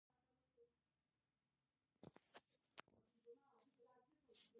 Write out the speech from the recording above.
واوره د افغانستان د جغرافیوي تنوع یو مثال دی.